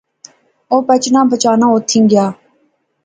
اہ بچنا بچانا اوتھیں گیا